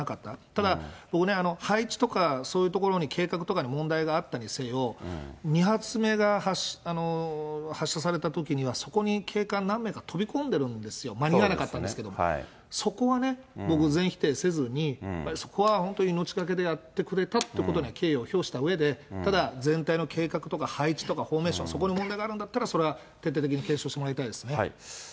ただ、僕ね、配置とか、そういうところに計画とかに問題があったにせよ、２発目が発射されたときには、そこに警官、何名か飛び込んでるんですよ、間に合わなかったんですけど、そこは僕、全否定せずに、やっぱりそこは本当に命がけでやってくれたっていうことには敬意を表したうえで、ただ、全体の計画とか配置とか、フォーメーション、そこに問題があるんだったら徹底的に検証してもらいたいですね。